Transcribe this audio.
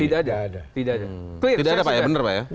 tidak ada tidak ada tidak ada pak ya